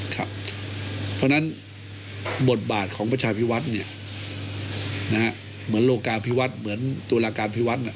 เพราะฉะนั้นบทบาทของประชาพิวัฒน์เหมือนโลกาพิวัฒน์เหมือนตุลาการพิวัฒน์